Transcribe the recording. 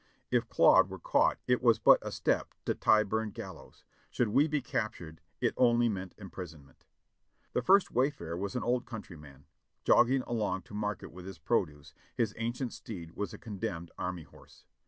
If Claude were caught it was but a step to Tyburn Gallows ; should we be captured it only meant imprisonment. The first wayfarer was an old countryman, jogging along to market with his produce ; his ancient steed was a condemned army horse.